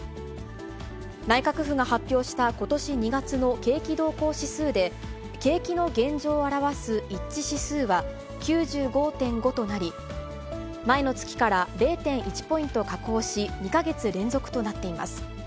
内閣府が発表したことし２月の景気動向指数で、景気の現状を表す一致指数は９５．５となり、前の月から０．１ポイント下降し、２か月連続となっています。